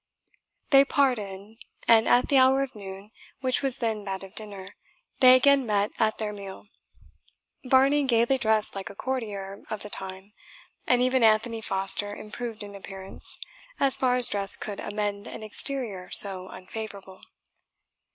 They parted and at the hour of noon, which was then that of dinner, they again met at their meal, Varney gaily dressed like a courtier of the time, and even Anthony Foster improved in appearance, as far as dress could amend an exterior so unfavourable.